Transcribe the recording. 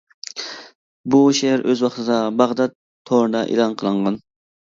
بۇ شېئىر ئۆز ۋاقتىدا باغدات تورىدا ئېلان قىلىنغان.